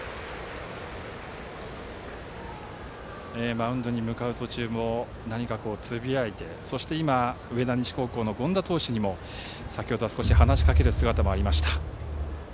マウンドに向かう途中も何かつぶやいてそして、上田西高校の権田投手にも先程、少し話しかける姿もありました。